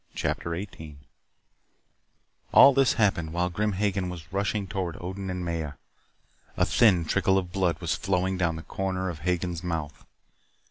CHAPTER 18 All this happened while Grim Hagen was rushing toward Odin and Maya. A thin trickle of blood was flowing down the corner of Hagen's mouth.